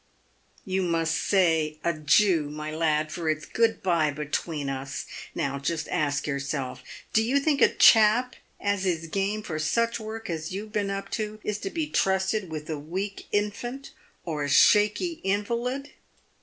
" You must say ' Ajew,' my lad, for its good by between us. Now, just ask yourself, do you think a chap as is game for such work as you've been up to, is to be trusted with a weak infant or a shaky PAYED WITH GOLD. 235 invalid.